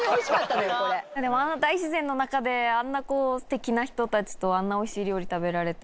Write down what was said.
でもあの大自然の中であんなステキな人たちとあんなおいしい料理食べられて。